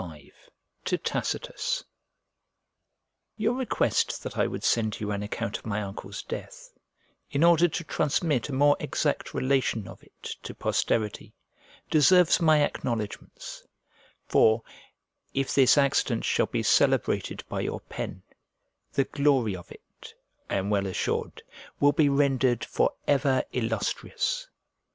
LXV To TACITUS YOUR request that I would send you an account of my uncle's death, in order to transmit a more exact relation of it to posterity, deserves my acknowledgments; for, if this accident shall be celebrated by your pen, the glory of it, I am well assured, will be rendered forever illustrious.